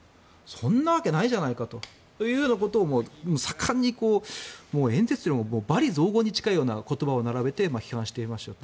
そんな訳ないじゃないかというようなことを盛んに演説というより罵詈雑言に近いような言葉を並べて批判していました。